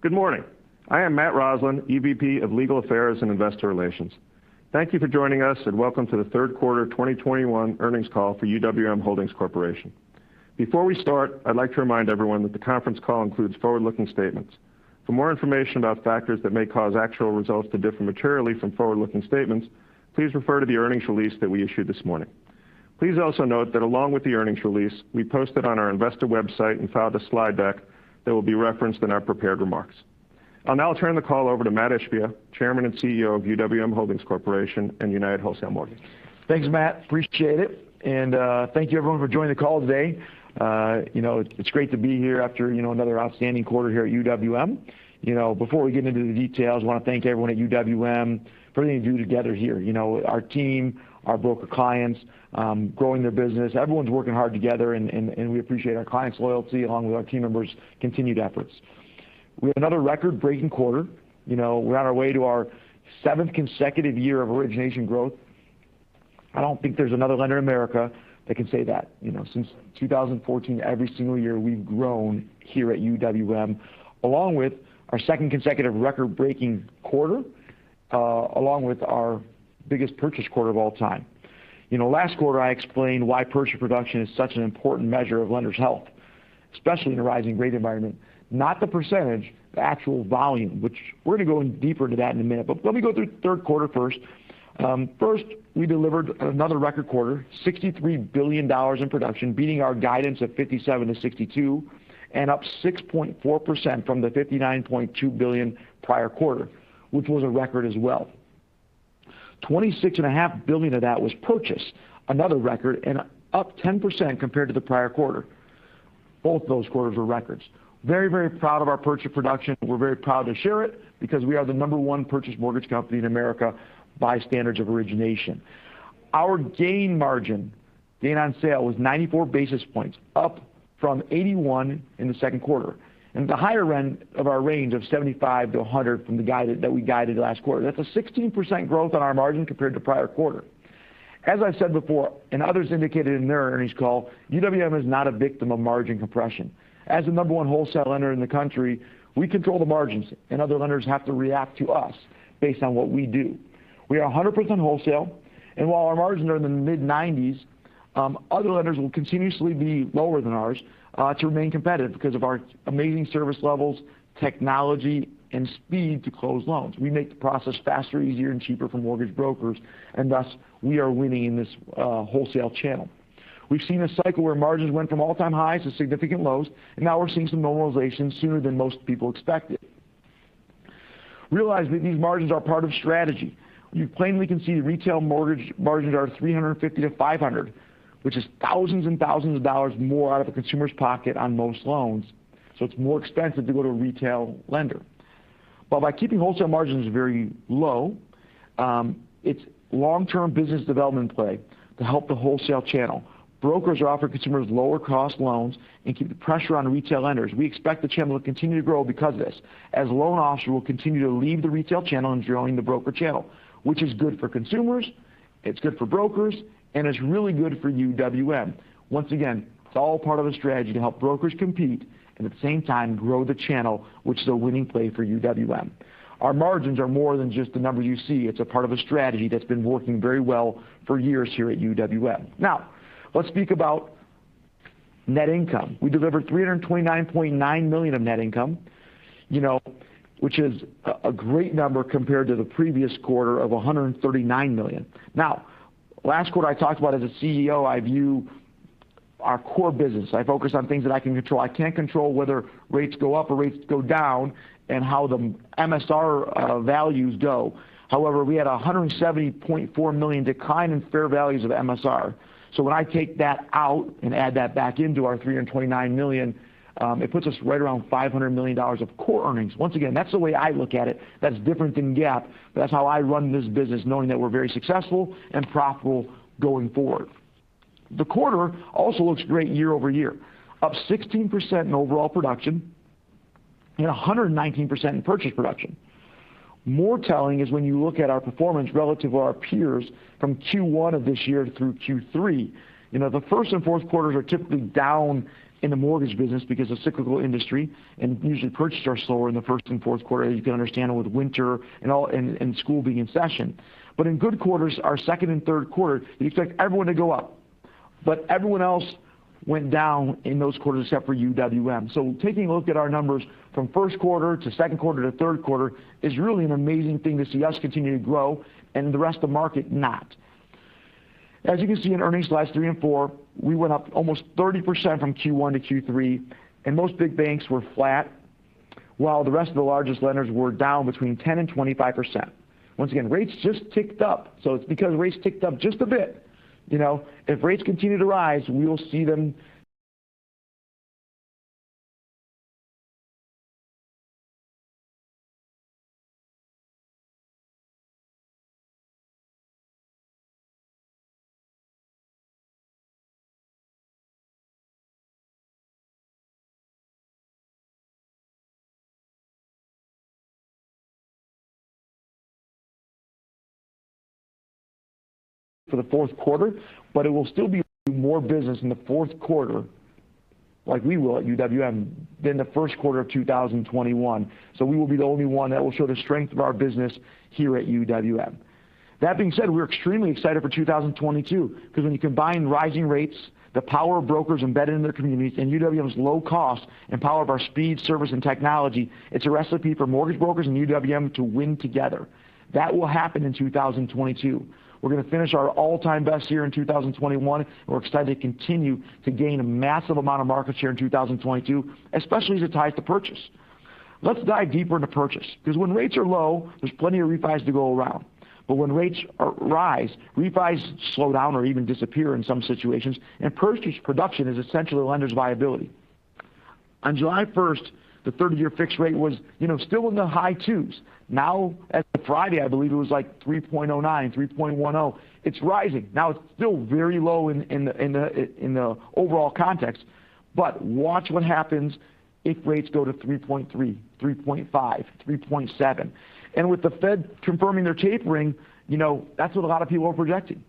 Good morning. I am Matt Roslin, EVP of Legal Affairs and Investor Relations. Thank you for joining us, and welcome to the Third Quarter 2021 Earnings Call for UWM Holdings Corporation. Before we start, I'd like to remind everyone that the conference call includes forward-looking statements. For more information about factors that may cause actual results to differ materially from forward-looking statements, please refer to the earnings release that we issued this morning. Please also note that along with the earnings release, we posted on our investor website and filed a slide deck that will be referenced in our prepared remarks. I'll now turn the call over to Mat Ishbia, Chairman and CEO of UWM Holdings Corporation and United Wholesale Mortgage. Thanks, Matt. Appreciate it. Thank you everyone for joining the call today. You know, it's great to be here after, you know, another outstanding quarter here at UWM. You know, before we get into the details, I wanna thank everyone at UWM for everything you do together here. You know, our team, our broker clients growing their business. Everyone's working hard together and we appreciate our clients' loyalty along with our team members' continued efforts. We have another record-breaking quarter. You know, we're on our way to our seventh consecutive year of origination growth. I don't think there's another lender in America that can say that. You know, since 2014, every single year we've grown here at UWM, along with our second consecutive record-breaking quarter, along with our biggest purchase quarter of all time. You know, last quarter I explained why purchase production is such an important measure of lender's health, especially in a rising rate environment. Not the percentage, the actual volume, which we're gonna go in deeper to that in a minute. Let me go through third quarter first. First, we delivered another record quarter, $63 billion in production, beating our guidance of $57 billion-$62 billion, and up 6.4% from the $59.2 billion prior quarter, which was a record as well. $26.5 billion of that was purchase, another record and up 10% compared to the prior quarter. Both those quarters were records. Very, very proud of our purchase production. We're very proud to share it because we are the number one purchase mortgage company in America by standards of origination. Our gain margin, gain on sale, was 94 basis points, up from 81 in the second quarter. At the higher end of our range of 75-100 from the guide that we guided last quarter. That's a 16% growth on our margin compared to prior quarter. As I've said before, and others indicated in their earnings call, UWM is not a victim of margin compression. As the number one wholesale lender in the country, we control the margins, and other lenders have to react to us based on what we do. We are 100% wholesale, and while our margins are in the mid-90s, other lenders will continuously be lower than ours to remain competitive because of our amazing service levels, technology, and speed to close loans. We make the process faster, easier, and cheaper for mortgage brokers, and thus, we are winning in this wholesale channel. We've seen a cycle where margins went from all-time highs to significant lows, and now we're seeing some normalization sooner than most people expected. Realize that these margins are part of strategy. You plainly can see retail mortgage margins are 350-500, which is thousands and thousands of dollars more out of a consumer's pocket on most loans, so it's more expensive to go to a retail lender. By keeping wholesale margins very low, it's long-term business development play to help the wholesale channel. Brokers are offering consumers lower cost loans and keep the pressure on retail lenders. We expect the channel to continue to grow because of this, as loan officers will continue to leave the retail channel and join the broker channel, which is good for consumers, it's good for brokers, and it's really good for UWM. Once again, it's all part of a strategy to help brokers compete and at the same time grow the channel, which is a winning play for UWM. Our margins are more than just the number you see. It's a part of a strategy that's been working very well for years here at UWM. Now, let's speak about net income. We delivered $329.9 million of net income, you know, which is a great number compared to the previous quarter of $139 million. Now, last quarter I talked about as a CEO, I view our core business. I focus on things that I can control. I can't control whether rates go up or rates go down and how the MSR values go. However, we had a $170.4 million decline in fair values of MSR. So when I take that out and add that back into our $329 million, it puts us right around $500 million of core earnings. Once again, that's the way I look at it. That's different than GAAP, but that's how I run this business knowing that we're very successful and profitable going forward. The quarter also looks great year over year. Up 16% in overall production and 119% in purchase production. More telling is when you look at our performance relative to our peers from Q1 of this year through Q3. You know, the first and fourth quarters are typically down in the mortgage business because it's a cyclical industry, and usually purchases are slower in the first and fourth quarter, as you can understand with winter and all, and school being in session. In good quarters, our second and third quarter, you expect everyone to go up. Everyone else went down in those quarters except for UWM. Taking a look at our numbers from first quarter to second quarter to third quarter is really an amazing thing to see us continue to grow and the rest of the market not. As you can see in earnings slides 3 and 4, we went up almost 30% from Q1 to Q3, and most big banks were flat, while the rest of the largest lenders were down between 10%-25%. Once again, rates just ticked up, so it's because rates ticked up just a bit. You know, if rates continue to rise, we will see them for the fourth quarter, but it will still be more business in the fourth quarter like we will at UWM than the first quarter of 2021. We will be the only one that will show the strength of our business here at UWM. That being said, we're extremely excited for 2022 because when you combine rising rates, the power of brokers embedded in their communities, and UWM's low cost and power of our speed, service, and technology, it's a recipe for mortgage brokers and UWM to win together. That will happen in 2022. We're gonna finish our all-time best year in 2021, and we're excited to continue to gain a massive amount of market share in 2022, especially as it ties to purchase. Let's dive deeper into purchase, because when rates are low, there's plenty of refis to go around. When rates rise, refis slow down or even disappear in some situations, and purchase production is essential to a lender's viability. On July 1, the 30-year fixed rate was, you know, still in the high 2s. Now as of Friday, I believe it was like 3.09, 3.10. It's rising. Now it's still very low in the overall context. Watch what happens if rates go to 3.3.5, 3.7. With the Fed confirming their tapering, you know, that's what a lot of people are projecting.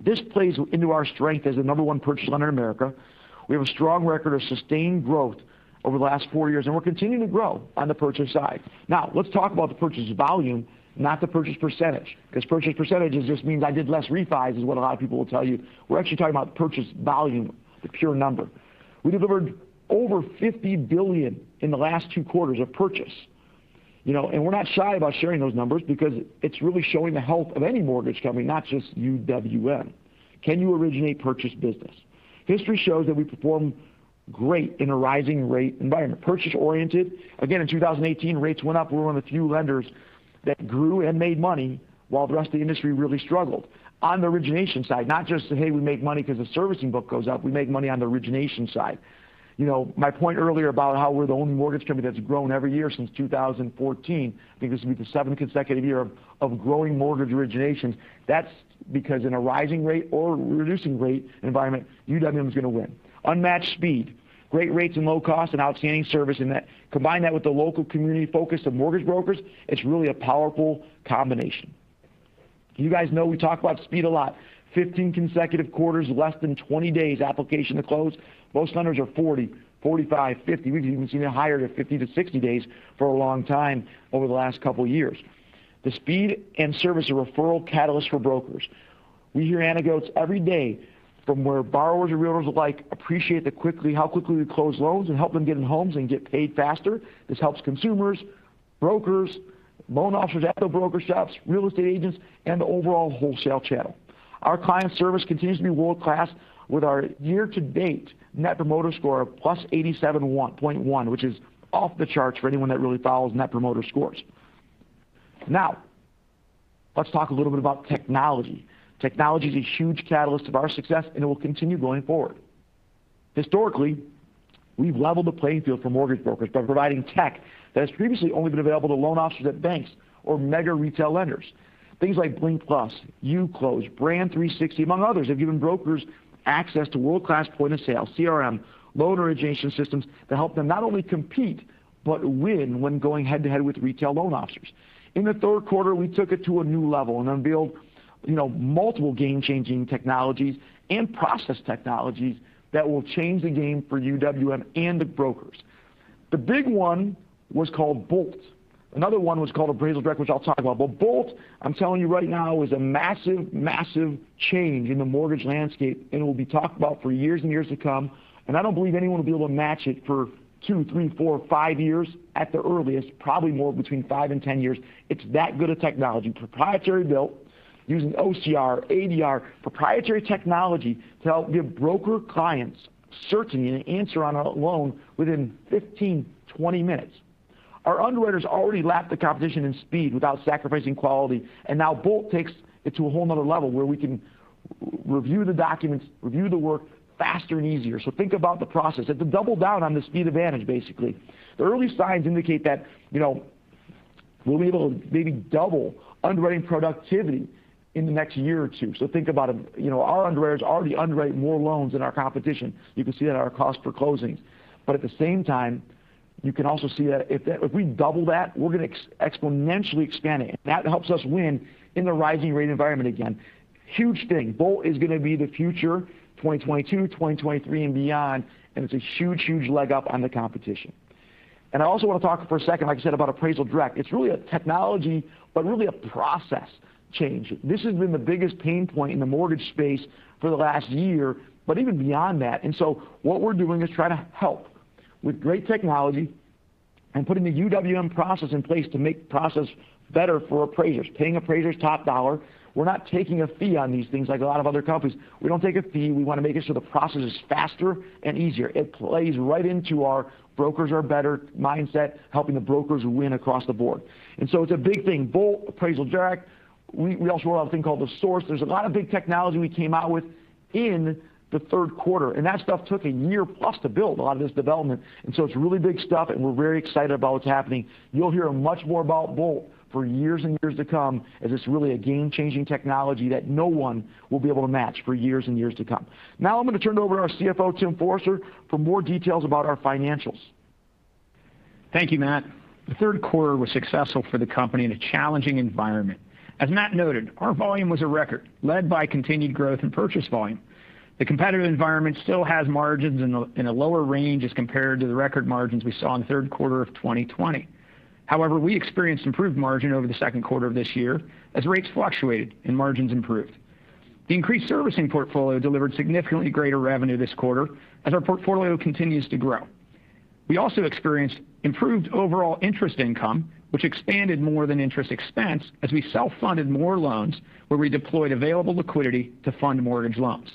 This plays into our strength as the number one purchase lender in America. We have a strong record of sustained growth over the last four years, and we're continuing to grow on the purchase side. Now, let's talk about the purchase volume, not the purchase percentage, because purchase percentage it just means I did less refis is what a lot of people will tell you. We're actually talking about the purchase volume, the pure number. We delivered over $50 billion in the last two quarters of purchase. You know, and we're not shy about sharing those numbers because it's really showing the health of any mortgage company, not just UWM. Can you originate purchase business? History shows that we perform great in a rising rate environment. Purchase-oriented. Again, in 2018, rates went up. We were one of the few lenders that grew and made money while the rest of the industry really struggled on the origination side, not just, "Hey, we make money because the servicing book goes up." We make money on the origination side. You know, my point earlier about how we're the only mortgage company that's grown every year since 2014, I think this will be the seventh consecutive year of growing mortgage originations. That's because in a rising rate or reducing rate environment, UWM is gonna win. Unmatched speed, great rates and low costs, and outstanding service, and that, combine that with the local community focus of mortgage brokers, it's really a powerful combination. You guys know we talk about speed a lot. 15 consecutive quarters of less than 20 days application to close. Most lenders are 40, 45, 50. We've even seen it higher to 50-60 days for a long time over the last couple years. The speed and service are referral catalysts for brokers. We hear anecdotes every day from where borrowers and realtors alike appreciate how quickly we close loans and help them get in homes and get paid faster. This helps consumers, brokers, loan officers at the broker shops, real estate agents, and the overall wholesale channel. Our client service continues to be world-class with our year-to-date Net Promoter Score of +87.1, which is off the charts for anyone that really follows Net Promoter Scores. Now, let's talk a little bit about technology. Technology is a huge catalyst of our success, and it will continue going forward. Historically, we've leveled the playing field for mortgage brokers by providing tech that has previously only been available to loan officers at banks or mega retail lenders. Things like Blink+, UClose, Brand 360, among others, have given brokers access to world-class point-of-sale, CRM, loan origination systems that help them not only compete but win when going head-to-head with retail loan officers. In the third quarter, we took it to a new level and unveiled, you know, multiple game-changing technologies and process technologies that will change the game for UWM and the brokers. The big one was called BOLT. Another one was called Appraisal Direct, which I'll talk about. BOLT, I'm telling you right now, is a massive change in the mortgage landscape, and it will be talked about for years and years to come, and I don't believe anyone will be able to match it for 2, 3, 4, 5 years at the earliest, probably more between 5 and 10 years. It's that good a technology. Proprietary-built using OCR, ADR, proprietary technology to help give broker clients certainty and an answer on a loan within 15, 20 minutes. Our underwriters already lapped the competition in speed without sacrificing quality, and now BOLT takes it to a whole nother level where we can review the documents, review the work faster and easier. Think about the process. It's a double down on the speed advantage, basically. The early signs indicate that, you know, we'll be able to maybe double underwriting productivity in the next year or 2. Think about it. You know, our underwriters already underwrite more loans than our competition. You can see that in our cost per closings. But at the same time, you can also see that if we double that, we're gonna exponentially expand it, and that helps us win in the rising rate environment again. Huge thing. BOLT is gonna be the future, 2022, 2023, and beyond, and it's a huge, huge leg up on the competition. I also wanna talk for a second, like I said, about Appraisal Direct. It's really a technology, but really a process change. This has been the biggest pain point in the mortgage space for the last year, but even beyond that. What we're doing is trying to help with great technology and putting the UWM process in place to make the process better for appraisers, paying appraisers top dollar. We're not taking a fee on these things like a lot of other companies. We don't take a fee. We wanna make it so the process is faster and easier. It plays right into our brokers are better mindset, helping the brokers win across the board. It's a big thing. BOLT, Appraisal Direct. We also have a thing called The Source. There's a lot of big technology we came out with in the third quarter, and that stuff took a year-plus to build, a lot of this development. It's really big stuff, and we're very excited about what's happening. You'll hear much more about BOLT for years and years to come, as it's really a game-changing technology that no one will be able to match for years and years to come. Now I'm gonna turn it over to our CFO, Tim Forrester, for more details about our financials. Thank you, Matt. The third quarter was successful for the company in a challenging environment. As Matt noted, our volume was a record led by continued growth in purchase volume. The competitive environment still has margins in a lower range as compared to the record margins we saw in the third quarter of 2020. However, we experienced improved margin over the second quarter of this year as rates fluctuated and margins improved. The increased servicing portfolio delivered significantly greater revenue this quarter as our portfolio continues to grow. We also experienced improved overall interest income, which expanded more than interest expense as we self-funded more loans where we deployed available liquidity to fund mortgage loans.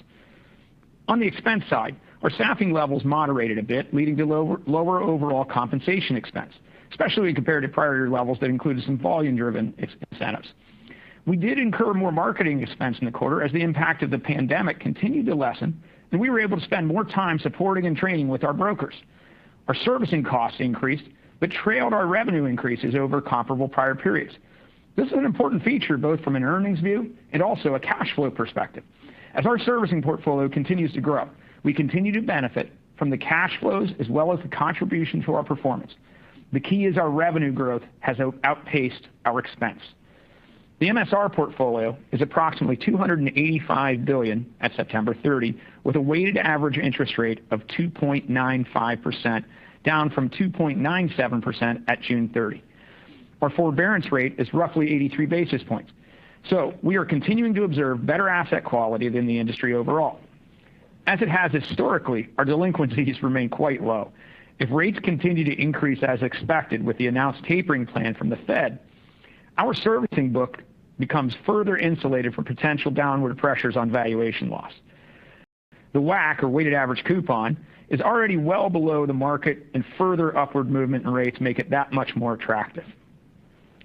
On the expense side, our staffing levels moderated a bit, leading to lower overall compensation expense, especially compared to prior year levels that included some volume-driven exit incentives. We did incur more marketing expense in the quarter as the impact of the pandemic continued to lessen, and we were able to spend more time supporting and training with our brokers. Our servicing costs increased, but trailed our revenue increases over comparable prior periods. This is an important feature both from an earnings view and also a cash flow perspective. As our servicing portfolio continues to grow, we continue to benefit from the cash flows as well as the contribution to our performance. The key is our revenue growth has outpaced our expense. The MSR portfolio is approximately $285 billion at September 30, with a weighted average interest rate of 2.95%, down from 2.97% at June 30. Our forbearance rate is roughly 83 basis points. We are continuing to observe better asset quality than the industry overall. As it has historically, our delinquencies remain quite low. If rates continue to increase as expected with the announced tapering plan from the Fed, our servicing book becomes further insulated from potential downward pressures on valuation loss. The WAC, or weighted average coupon, is already well below the market and further upward movement in rates make it that much more attractive.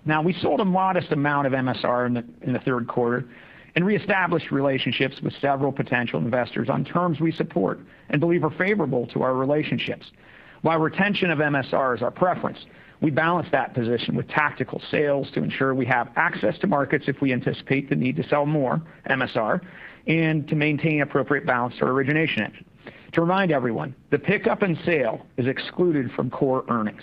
Now, we sold a modest amount of MSR in the third quarter and reestablished relationships with several potential investors on terms we support and believe are favorable to our relationships. While retention of MSR is our preference, we balance that position with tactical sales to ensure we have access to markets if we anticipate the need to sell more MSR and to maintain appropriate balance to our origination engine. To remind everyone, the pickup and sale is excluded from core earnings.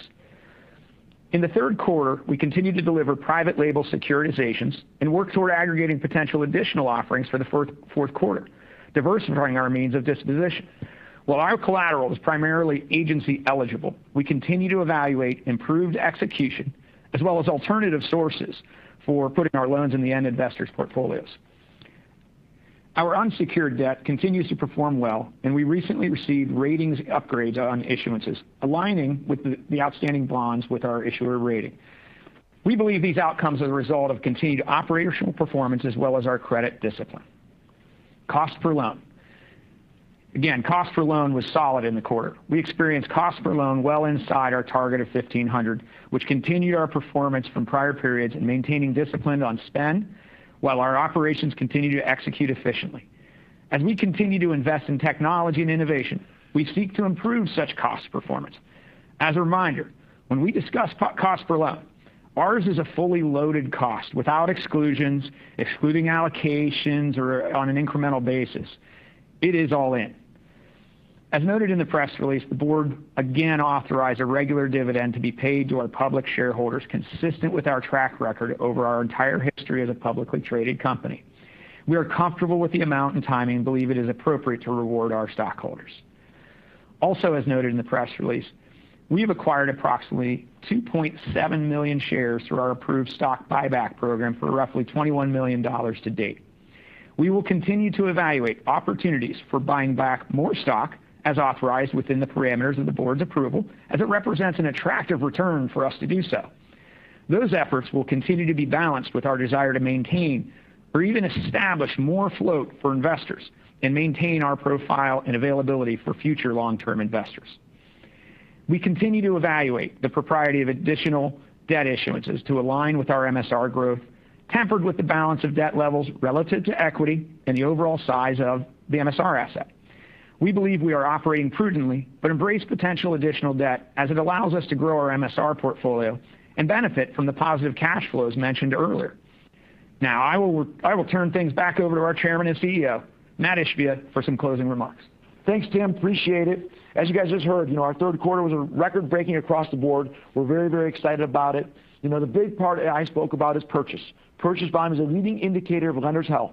In the third quarter, we continued to deliver private label securitizations and work toward aggregating potential additional offerings for the fourth quarter, diversifying our means of disposition. While our collateral is primarily agency eligible, we continue to evaluate improved execution as well as alternative sources for putting our loans in the end investors' portfolios. Our unsecured debt continues to perform well, and we recently received ratings upgrades on issuances aligning with the outstanding bonds with our issuer rating. We believe these outcomes are the result of continued operational performance as well as our credit discipline. Cost per loan. Again, cost per loan was solid in the quarter. We experienced cost per loan well inside our target of $1,500, which continued our performance from prior periods in maintaining discipline on spend while our operations continue to execute efficiently. As we continue to invest in technology and innovation, we seek to improve such cost performance. As a reminder, when we discuss cost per loan, ours is a fully loaded cost without exclusions, excluding allocations or on an incremental basis. It is all in. As noted in the press release, the board again authorized a regular dividend to be paid to our public shareholders consistent with our track record over our entire history as a publicly traded company. We are comfortable with the amount and timing and believe it is appropriate to reward our stockholders. Also, as noted in the press release, we have acquired approximately 2.7 million shares through our approved stock buyback program for roughly $21 million to date. We will continue to evaluate opportunities for buying back more stock as authorized within the parameters of the board's approval as it represents an attractive return for us to do so. Those efforts will continue to be balanced with our desire to maintain or even establish more float for investors and maintain our profile and availability for future long-term investors. We continue to evaluate the propriety of additional debt issuances to align with our MSR growth, tempered with the balance of debt levels relative to equity and the overall size of the MSR asset. We believe we are operating prudently, but embrace potential additional debt as it allows us to grow our MSR portfolio and benefit from the positive cash flows mentioned earlier. Now, I will turn things back over to our Chairman and CEO, Mat Ishbia, for some closing remarks. Thanks, Tim. Appreciate it. As you guys just heard, you know, our third quarter was record-breaking across the board. We're very, very excited about it. You know, the big part I spoke about is purchase. Purchase volume is a leading indicator of a lender's health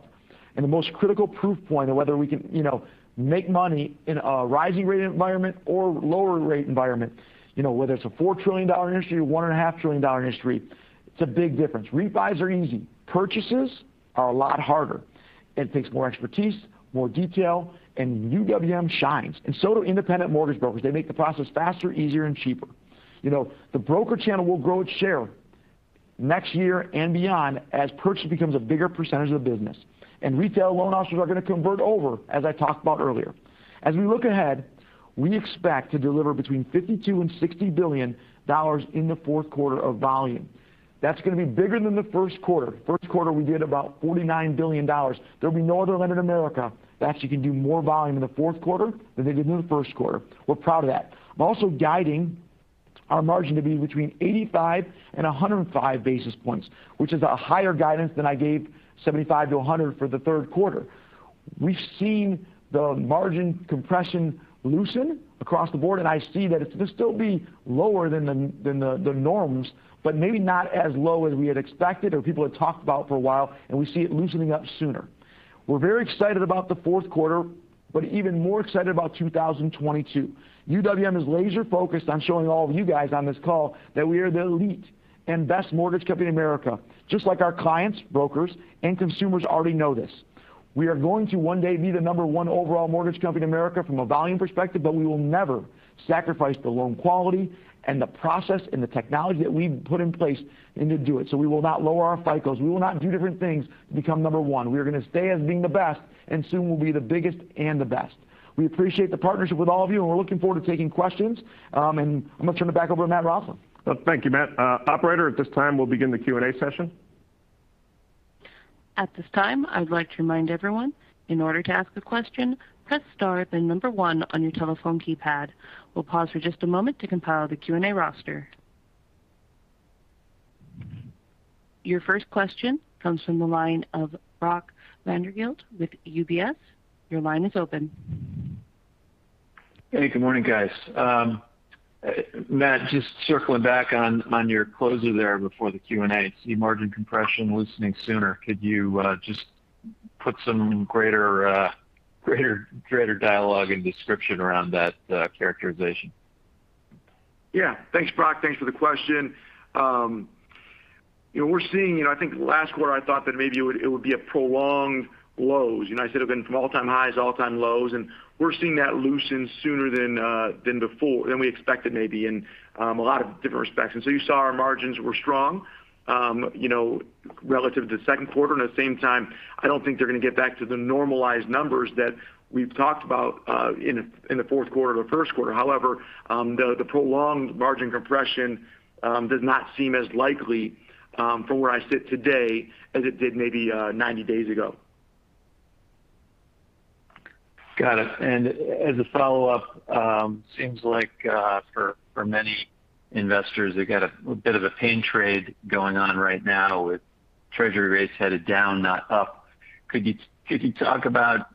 and the most critical proof point of whether we can, you know, make money in a rising rate environment or lower rate environment. You know, whether it's a $4 trillion industry or $1.5 trillion industry, it's a big difference. Refis are easy. Purchases are a lot harder. It takes more expertise, more detail, and UWM shines, and so do independent mortgage brokers. They make the process faster, easier, and cheaper. You know, the broker channel will grow its share next year and beyond as purchase becomes a bigger percentage of the business. Retail loan officers are going to convert over, as I talked about earlier. As we look ahead, we expect to deliver between $52 billion and $60 billion in the fourth quarter of volume. That's going to be bigger than the first quarter. First quarter, we did about $49 billion. There'll be no other lender in America that actually can do more volume in the fourth quarter than they did in the first quarter. We're proud of that. I'm also guiding our margin to be between 85 and 105 basis points, which is a higher guidance than I gave 75 to 100 for the third quarter. We've seen the margin compression loosen across the board, and I see that it's going to still be lower than the norms, but maybe not as low as we had expected or people had talked about for a while, and we see it loosening up sooner. We're very excited about the fourth quarter, but even more excited about 2022. UWM is laser-focused on showing all of you guys on this call that we are the elite and best mortgage company in America, just like our clients, brokers, and consumers already know this. We are going to one day be the number one overall mortgage company in America from a volume perspective, but we will never sacrifice the loan quality and the process and the technology that we've put in place and to do it. We will not lower our FICO. We will not do different things to become number one. We are going to stay as being the best, and soon we'll be the biggest and the best. We appreciate the partnership with all of you, and we're looking forward to taking questions. I'm going to turn it back over to Matt Roslin. Thank you, Matt. Operator at this time, we'll begin the Q&A session. At this time, I'd like to remind everyone in order to ask a question, press star then number one on your telephone keypad. We'll pause for just a moment to compile the Q&A roster. Your first question comes from the line of Brock Vandervliet with UBS. Your line is open. Hey, good morning, guys. Matt, just circling back on your closer there before the Q&A. See margin compression loosening sooner. Could you just put some greater dialogue and description around that characterization? Thanks, Brock. Thanks for the question. You know, we're seeing, you know, I think last quarter I thought that maybe it would be a prolonged lows. You know, instead of going from all-time highs, all-time lows, and we're seeing that loosen sooner than before, than we expected maybe in a lot of different respects. You saw our margins were strong, you know, relative to second quarter. At the same time, I don't think they're going to get back to the normalized numbers that we've talked about in the fourth quarter or first quarter. However, the prolonged margin compression does not seem as likely from where I sit today as it did maybe 90 days ago. Got it. As a follow-up, seems like for many investors, they've got a bit of a pain trade going on right now with Treasury rates headed down, not up. Could you talk about,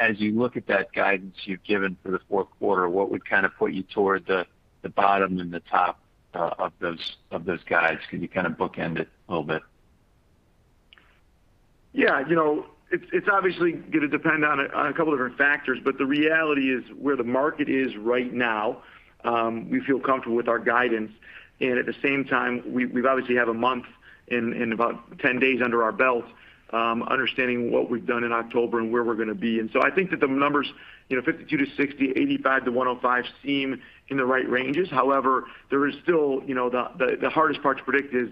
as you look at that guidance you've given for the fourth quarter, what would kind of put you toward the bottom and the top of those guides? Could you kind of bookend it a little bit? Yeah. You know, it's obviously going to depend on a couple different factors, but the reality is where the market is right now, we feel comfortable with our guidance. At the same time, we've obviously have a month and about ten days under our belt, understanding what we've done in October and where we're going to be. I think that the numbers, you know, 52-60, 85-105 seem in the right ranges. However, there is still, you know, the hardest part to predict is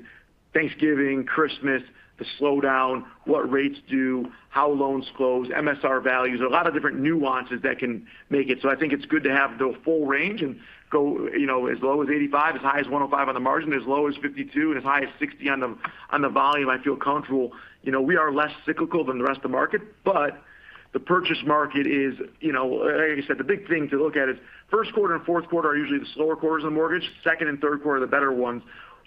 Thanksgiving, Christmas, the slowdown, what rates do, how loans close, MSR values, a lot of different nuances that can make it. I think it's good to have the full range and go, you know, as low as 85%, as high as 105% on the margin, as low as 52 and as high as 60 on the volume. I feel comfortable. You know, we are less cyclical than the rest of the market, but the purchase market is, you know, like I said, the big thing to look at is first quarter and fourth quarter are usually the slower quarters of mortgage. Second and third quarter are the better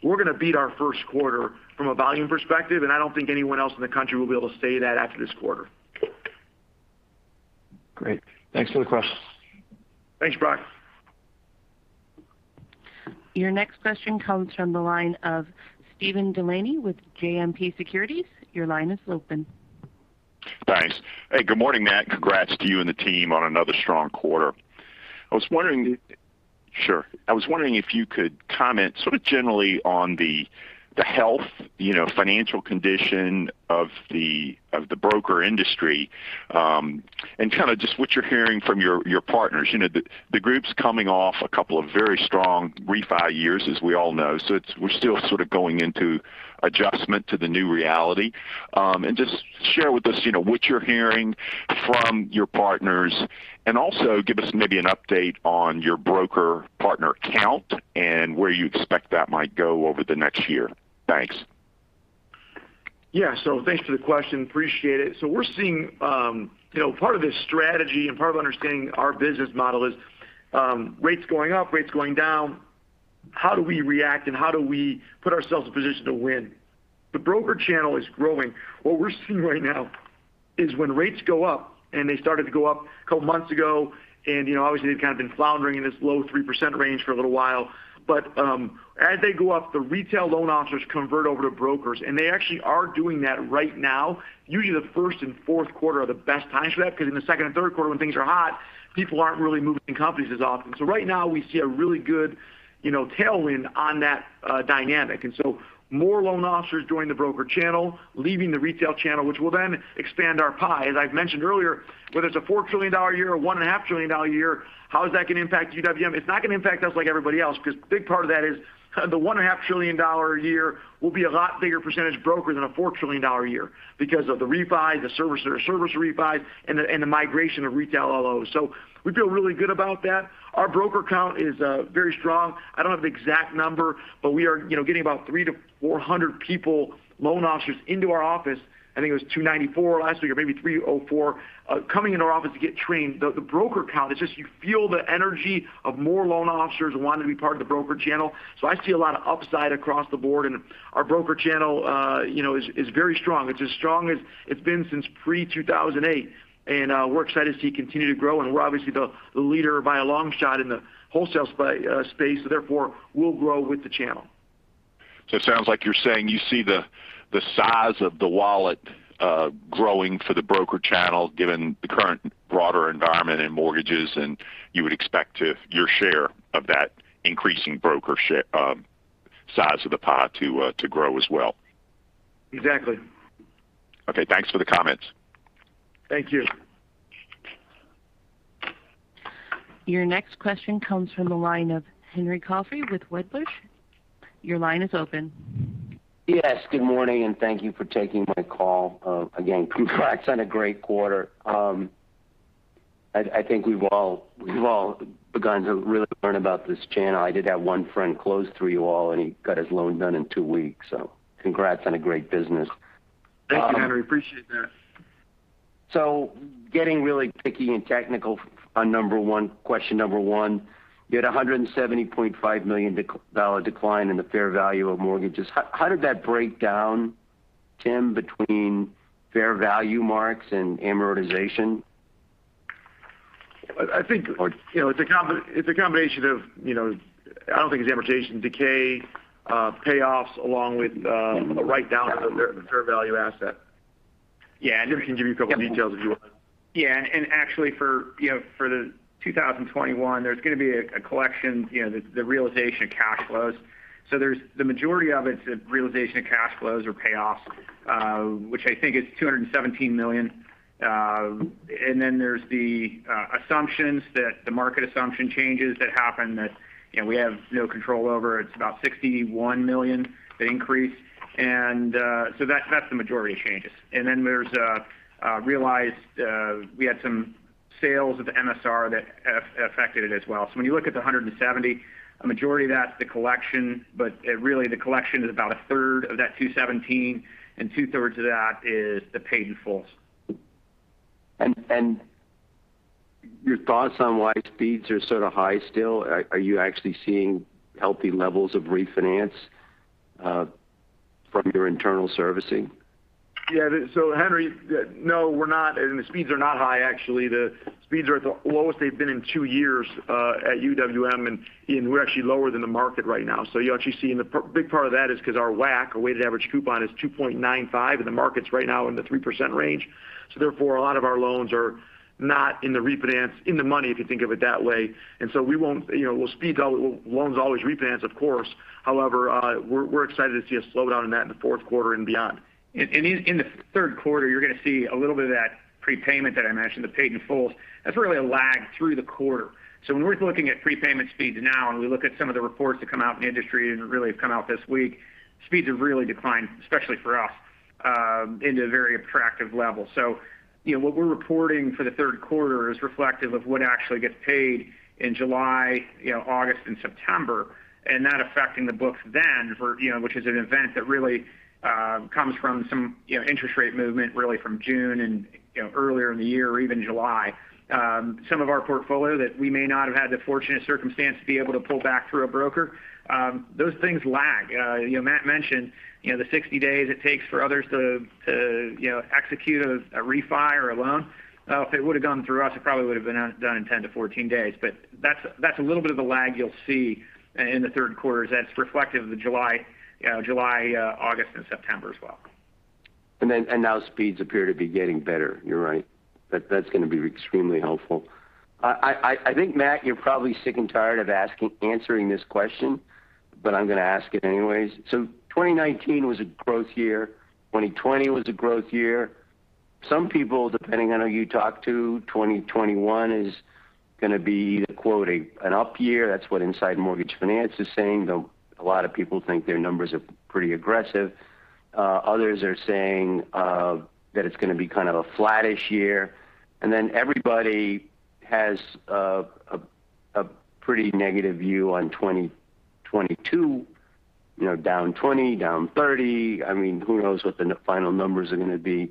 ones. We're going to beat our first quarter from a volume perspective, and I don't think anyone else in the country will be able to say that after this quarter. Great. Thanks for the question. Thanks, Brock. Your next question comes from the line of Steven DeLaney with JMP Securities. Your line is open. Thanks. Hey, good morning, Matt. Congrats to you and the team on another strong quarter. I was wondering if you could comment sort of generally on the health, you know, financial condition of the broker industry, and kind of just what you're hearing from your partners. You know, the group's coming off a couple of very strong refi years, as we all know. We're still sort of going into adjustment to the new reality. Just share with us, you know, what you're hearing from your partners, and also give us maybe an update on your broker partner count and where you expect that might go over the next year. Thanks. Yeah. Thanks for the question. Appreciate it. We're seeing, you know, part of this strategy and part of understanding our business model is, rates going up, rates going down, how do we react and how do we put ourselves in a position to win? The broker channel is growing. What we're seeing right now is when rates go up, and they started to go up a couple months ago, and you know, obviously they've kind of been floundering in this low 3% range for a little while. As they go up, the retail loan officers convert over to brokers, and they actually are doing that right now. Usually, the first and fourth quarter are the best times for that because in the second and third quarter when things are hot, people aren't really moving companies as often. Right now we see a really good, you know, tailwind on that, dynamic. More loan officers join the broker channel, leaving the retail channel, which will then expand our pie. As I've mentioned earlier, whether it's a $4 trillion a year or $1.5 trillion a year, how is that going to impact UWM? It's not going to impact us like everybody else because big part of that is the $1.5 trillion a year will be a lot bigger percentage broker than a $4 trillion a year because of the refi, the servicer, service refi, and the, and the migration of retail LOs. We feel really good about that. Our broker count is very strong. I don't have the exact number, but we are, you know, getting about 300-400 people, loan officers into our office. I think it was 294 last year, maybe 304, coming in our office to get trained. The broker count is just you feel the energy of more loan officers wanting to be part of the broker channel. I see a lot of upside across the board and our broker channel, you know, is very strong. It's as strong as it's been since pre-2008. We're excited to see it continue to grow. We're obviously the leader by a long shot in the wholesale space, so therefore we'll grow with the channel. It sounds like you're saying you see the size of the wallet growing for the broker channel, given the current broader environment in mortgages, and you would expect your share of that increasing size of the pot to grow as well. Exactly. Okay. Thanks for the comments. Thank you. Your next question comes from the line of Henry Coffey with Wedbush. Your line is open. Yes, good morning, and thank you for taking my call. Again, congrats on a great quarter. I think we've all begun to really learn about this channel. I did have one friend close through you all, and he got his loan done in two weeks, so congrats on a great business. Thank you, Henry. Appreciate that. Getting really picky and technical on question number one, you had $170.5 million dollar decline in the fair value of mortgages. How did that break down, Tim, between fair value marks and amortization? I think, you know, it's a combination of, you know, I don't think it's amortization, decay, payoffs along with a write-down of the fair value asset. Yeah. I can give you a couple of details if you want. Yeah. Actually for 2021, you know, there's going to be a collection, you know, the realization of cash flows. So there's the majority of it's the realization of cash flows or payoffs, which I think is $217 million. Then there's the assumptions that the market assumption changes that happen that, you know, we have no control over. It's about $61 million, the increase. So that's the majority of changes. Then there's a realized, we had some sales of MSR that affected it as well. So when you look at the $170, a majority of that's the collection, but really the collection is about a third of that 217, and two-thirds of that is the paid in fulls. Your thoughts on why speeds are sort of high still? Are you actually seeing healthy levels of refinance from your internal servicing? Yeah. Henry, no, we're not. I mean, the speeds are not high, actually. The speeds are at the lowest they've been in two years at UWM, and we're actually lower than the market right now. You're actually seeing the big part of that is because our WAC, our weighted average coupon, is 2.95, and the market's right now in the 3% range. Therefore, a lot of our loans are not in the money, if you think of it that way. We won't, you know, we'll see loans always refinance, of course. However, we're excited to see a slowdown in that in the fourth quarter and beyond. In the third quarter, you're going to see a little bit of that prepayment that I mentioned, the paid in fulls. That's really a lag through the quarter. When we're looking at prepayment speeds now, and we look at some of the reports that come out in the industry and really have come out this week, speeds have really declined, especially for us, into a very attractive level. You know, what we're reporting for the third quarter is reflective of what actually gets paid in July, you know, August, and September, and that affecting the books then for, you know, which is an event that really comes from some, you know, interest rate movement really from June and, you know, earlier in the year or even July. Some of our portfolio that we may not have had the fortunate circumstance to be able to pull back through a broker, those things lag. You know, Matt mentioned, you know, the 60 days it takes for others to, you know, execute a refi or a loan. If it would have gone through us, it probably would have been done in 10-14 days. That's a little bit of the lag you'll see in the third quarter as that's reflective of the July, you know, July, August, and September as well. Now speeds appear to be getting better. You're right. That's going to be extremely helpful. I think, Matt, you're probably sick and tired of answering this question, but I'm going to ask it anyways. 2019 was a growth year. 2020 was a growth year. Some people, depending on who you talk to, 2021 is going to be either quoting an up year. That's what Inside Mortgage Finance is saying, though a lot of people think their numbers are pretty aggressive. Others are saying that it's going to be kind of a flattish year. Then everybody has a pretty negative view on 2022, you know, down 20%, down 30%. I mean, who knows what the final numbers are going to be.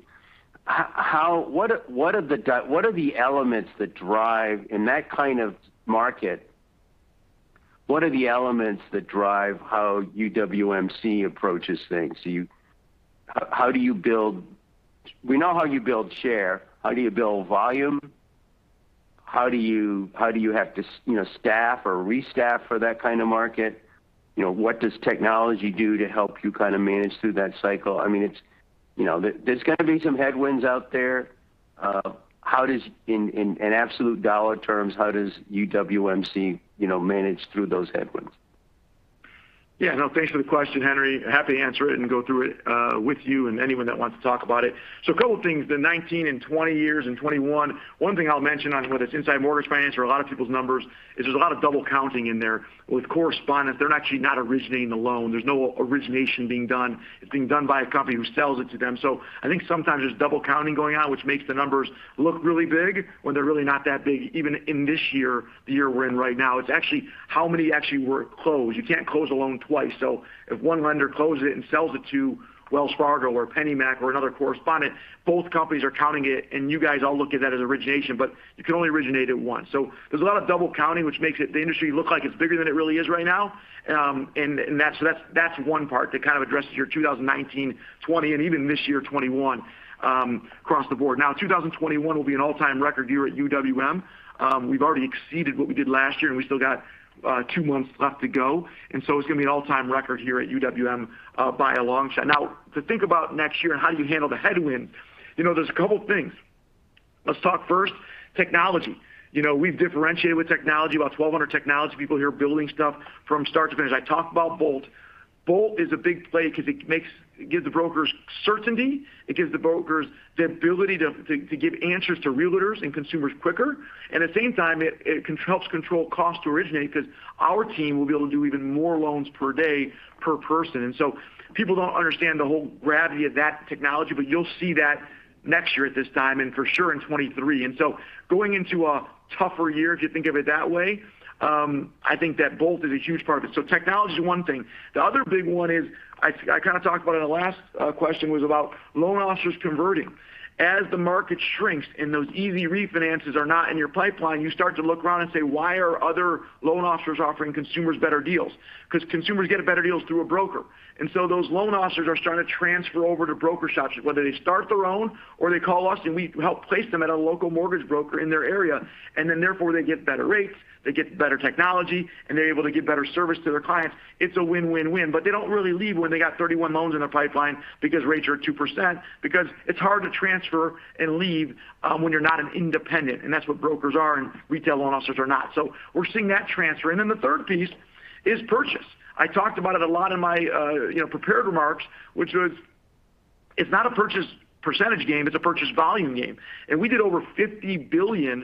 In that kind of market, what are the elements that drive how UWMC approaches things? We know how you build share. How do you build volume? How do you have to, you know, staff or restaff for that kind of market? You know, what does technology do to help you kind of manage through that cycle? I mean, it's, you know, there. There's going to be some headwinds out there. How does, in absolute dollar terms, UWMC, you know, manage through those headwinds? Yeah. No, thanks for the question, Henry. Happy to answer it and go through it with you and anyone that wants to talk about it. A couple of things. The 2019 and 2020 years and 2021, one thing I'll mention on whether it's Inside Mortgage Finance or a lot of people's numbers is there's a lot of double counting in there. With correspondents, they're actually not originating the loan. There's no origination being done. It's being done by a company who sells it to them. I think sometimes there's double counting going on, which makes the numbers look really big when they're really not that big, even in this year, the year we're in right now. It's actually how many actually were closed. You can't close a loan twice. If one lender closes it and sells it to Wells Fargo or PennyMac or another correspondent, both companies are counting it, and you guys all look at that as origination, but you can only originate it once. There's a lot of double counting, which makes the industry look like it's bigger than it really is right now. And that's one part that kind of addresses your 2019, 2020, and even this year, 2021, across the board. Now, 2021 will be an all-time record year at UWM. We've already exceeded what we did last year, and we still got two months left to go. It's going to be an all-time record year at UWM by a long shot. Now, to think about next year and how do you handle the headwind, you know, there's a couple of things. Let's talk first technology. You know, we've differentiated with technology, about 1,200 technology people here building stuff from start to finish. I talked about BOLT. BOLT is a big play because it makes, it gives the brokers certainty. It gives the brokers the ability to give answers to realtors and consumers quicker. And at the same time, it controls cost to originate because our team will be able to do even more loans per day per person. People don't understand the whole gravity of that technology, but you'll see that next year at this time and for sure in 2023. Going into a tougher year, if you think of it that way, I think that BOLT is a huge part of it. Technology is one thing. The other big one is I kind of talked about it in the last question, was about loan officers converting. As the market shrinks and those easy refinances are not in your pipeline, you start to look around and say, "Why are other loan officers offering consumers better deals?" Because consumers get better deals through a broker. Those loan officers are starting to transfer over to broker shops, whether they start their own or they call us, and we help place them at a local mortgage broker in their area. Then therefore, they get better rates, they get better technology, and they're able to give better service to their clients. It's a win-win-win, but they don't really leave when they got 31 loans in their pipeline because rates are at 2%, because it's hard to transfer and leave, when you're not an independent, and that's what brokers are, and retail loan officers are not. We're seeing that transfer. The third piece is purchase. I talked about it a lot in my prepared remarks, which was, it's not a purchase percentage game, it's a purchase volume game. We did over $50 billion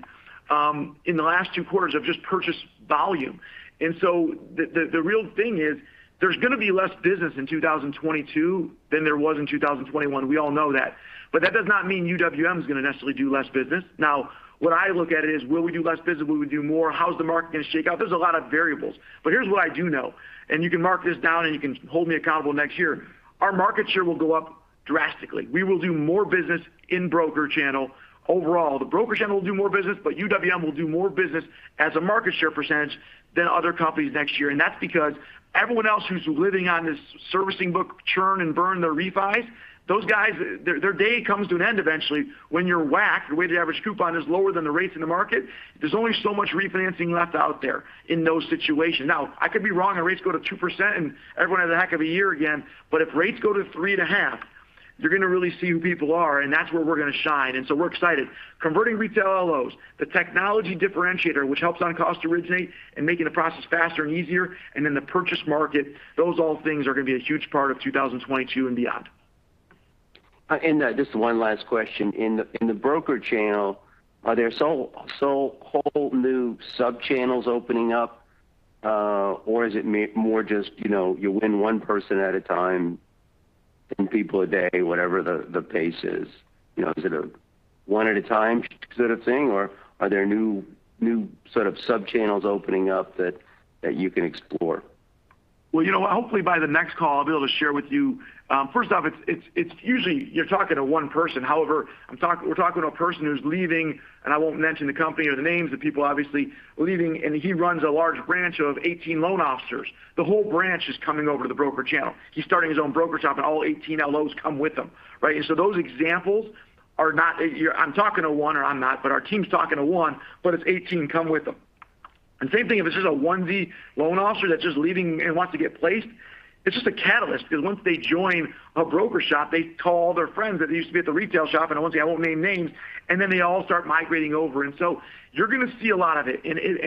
in the last two quarters of just purchase volume. The real thing is there's going to be less business in 2022 than there was in 2021. We all know that. That does not mean UWM is going to necessarily do less business. Now, what I look at it is, will we do less business? Will we do more? How's the market going to shake out? There's a lot of variables. Here's what I do know, and you can mark this down, and you can hold me accountable next year. Our market share will go up drastically. We will do more business in broker channel overall. The broker channel will do more business, but UWM will do more business as a market share percentage than other companies next year. That's because everyone else who's living on this servicing book churn and burn their refis, those guys, their day comes to an end eventually when you're WAC, the weighted average coupon is lower than the rates in the market. There's only so much refinancing left out there in those situations. Now, I could be wrong and rates go to 2%, and everyone has a heck of a year again. If rates go to 3.5%, you're going to really see who people are, and that's where we're going to shine. We're excited. Converting retail LOs, the technology differentiator, which helps on cost to originate and making the process faster and easier, and then the purchase market, those all things are going to be a huge part of 2022 and beyond. Just one last question. In the broker channel, are there so whole new sub-channels opening up, or is it more just, you know, you win one person at a time, 10 people a day, whatever the pace is? You know, is it a one at a time sort of thing, or are there new sort of sub-channels opening up that you can explore? Well, you know what? Hopefully by the next call, I'll be able to share with you. First off, it's usually you're talking to one person. However, we're talking to a person who's leaving, and I won't mention the company or the names of people obviously leaving, and he runs a large branch of 18 loan officers. The whole branch is coming over to the broker channel. He's starting his own broker shop, and all 18 LOs come with him, right? Those examples are not. I'm talking to one or I'm not, but our team's talking to one, but it's 18 come with him. Same thing, if this is a W2 loan officer that's just leaving and wants to get placed, it's just a catalyst because once they join a broker shop, they call all their friends that used to be at the retail shop, and once again, I won't name names, and then they all start migrating over. You're going to see a lot of it.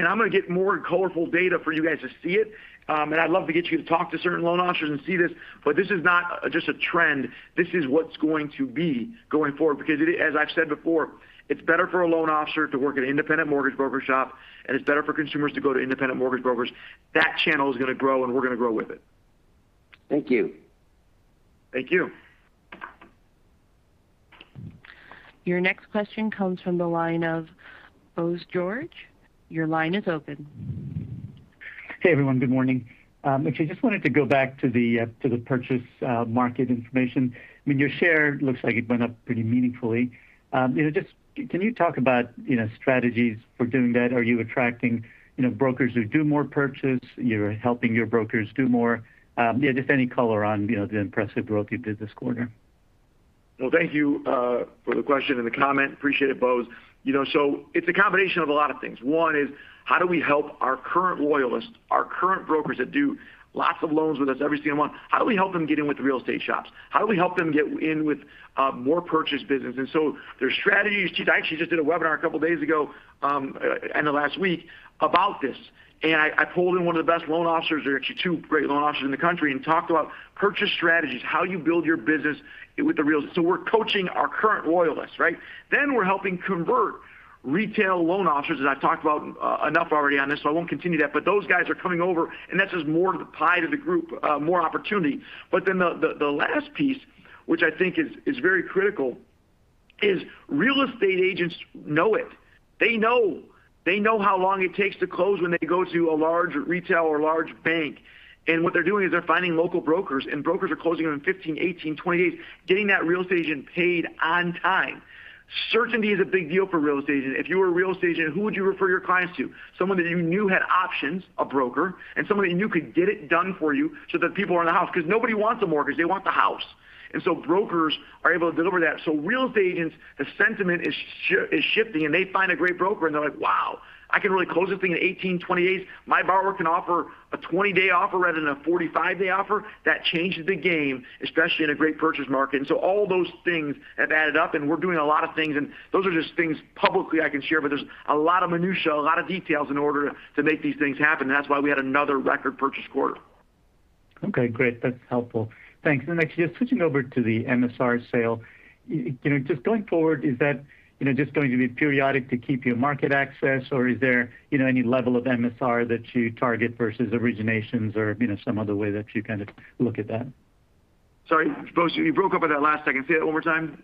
I'm going to get more colorful data for you guys to see it. I'd love to get you to talk to certain loan officers and see this. This is not just a trend. This is what's going to be going forward. Because, as I've said before, it's better for a loan officer to work at an independent mortgage broker shop, and it's better for consumers to go to independent mortgage brokers. That channel is going to grow, and we're going to grow with it. Thank you. Thank you. Your next question comes from the line of Bose George. Your line is open. Hey, everyone. Good morning. Actually, just wanted to go back to the purchase market information. I mean, your share looks like it went up pretty meaningfully. You know, just can you talk about, you know, strategies for doing that? Are you attracting, you know, brokers who do more purchase? You're helping your brokers do more? Yeah, just any color on, you know, the impressive broker business quarter. Well, thank you for the question and the comment. Appreciate it, Bose. You know, it's a combination of a lot of things. One is how do we help our current loyalists, our current brokers that do lots of loans with us every single month, how do we help them get in with the real estate shops? How do we help them get in with more purchase business? There's strategies. I actually just did a webinar a couple days ago, end of last week about this. I pulled in one of the best loan officers, or actually two great loan officers in the country, and talked about purchase strategies, how you build your business. We're coaching our current loyalists, right? We're helping convert retail loan officers, and I've talked about enough already on this, so I won't continue that. Those guys are coming over, and that's just more pie to the group, more opportunity. The last piece, which I think is very critical, is real estate agents know it. They know. They know how long it takes to close when they go to a large retail or large bank. What they're doing is they're finding local brokers, and brokers are closing them in 15, 18, 20 days, getting that real estate agent paid on time. Certainty is a big deal for real estate agents. If you were a real estate agent, who would you refer your clients to? Someone that you knew had options, a broker, and someone that you knew could get it done for you so that people are in the house. Because nobody wants a mortgage, they want the house. Brokers are able to deliver that. Real estate agents, the sentiment is shifting, and they find a great broker, and they're like, "Wow, I can really close this thing in 18-20 days. My borrower can offer a 20-day offer rather than a 45-day offer." That changes the game, especially in a great purchase market. All those things have added up, and we're doing a lot of things, and those are just things publicly I can share. There's a lot of minutiae, a lot of details in order to make these things happen. That's why we had another record purchase quarter. Okay, great. That's helpful. Thanks. Actually just switching over to the MSR sale. You know, just going forward, is that, you know, just going to be periodic to keep your market access or is there, you know, any level of MSR that you target versus originations or, you know, some other way that you kind of look at that? Sorry, Bose, you broke up on that last second. Say that one more time.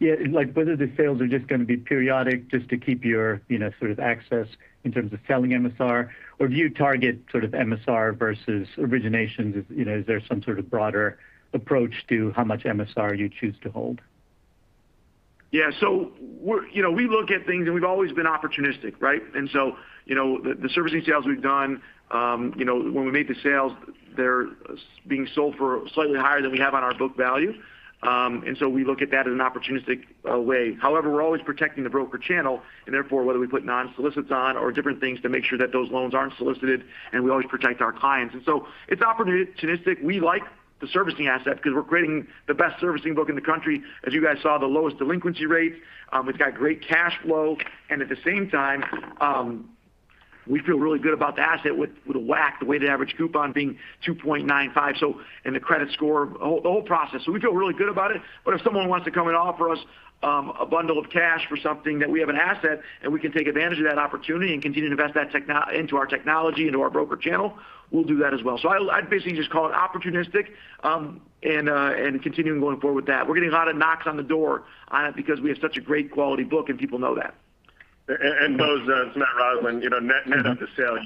Yeah, like, whether the sales are just gonna be periodic just to keep your, you know, sort of access in terms of selling MSR or do you target sort of MSR versus originations? You know, is there some sort of broader approach to how much MSR you choose to hold? Yeah. We look at things, and we've always been opportunistic, right? The servicing sales we've done, when we made the sales, they're being sold for slightly higher than we have on our book value. We look at that in an opportunistic way. However, we're always protecting the broker channel and therefore whether we put non-solicits on or different things to make sure that those loans aren't solicited, and we always protect our clients. It's opportunistic. We like the servicing asset because we're creating the best servicing book in the country, as you guys saw, the lowest delinquency rates. We've got great cash flow. At the same time, we feel really good about the asset with the WAC, the weighted average coupon, being 2.95. In the credit score, the whole process. We feel really good about it. If someone wants to come and offer us a bundle of cash for something that we have an asset, and we can take advantage of that opportunity and continue to invest that into our technology, into our broker channel, we'll do that as well. I'd basically just call it opportunistic, and continuing going forward with that. We're getting a lot of knocks on the door on it because we have such a great quality book, and people know that. Bose, it's Matt Roslin. You know, net of the sale,